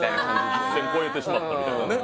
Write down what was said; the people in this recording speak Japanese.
一線越えてしまったみたいなね